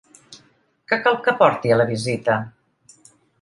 Que cal que porti a la visita?